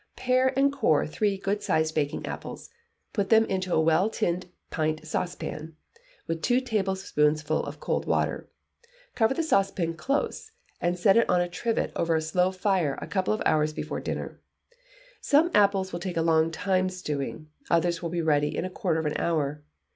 Pare and core three good sized baking apples, put them into a well tinned pint saucepan, with two tablespoonfuls of cold water; cover the saucepan close, and set it on a trivet over a slow fire a couple of hours before dinner, some apples will take a long time stewing, others will be ready in a quarter of an hour.